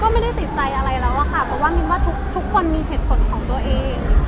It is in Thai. ก็ไม่ได้ติดใจอะไรแล้วอะค่ะเพราะว่ามินว่าทุกคนมีเหตุผลของตัวเอง